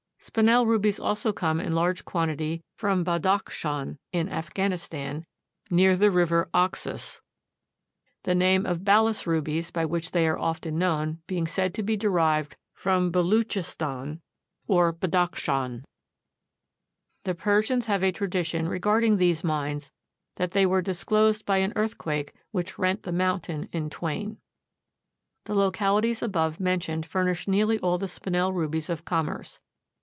Spinel rubies also come in large quantity from Badakschan, in Afghanistan, near the river Oxus, the name of Balas rubies, by which they are often known, being said to be derived from Beloochistan, or Balakschan. The Persians have a tradition regarding these mines that they were disclosed by an earthquake which rent the mountain in twain. The localities above mentioned furnish nearly all the Spinel rubies of commerce.